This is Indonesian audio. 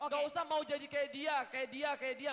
gak usah mau jadi kayak dia kayak dia kayak dia